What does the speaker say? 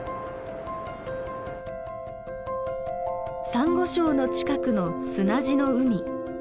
サンゴ礁の近くの砂地の海。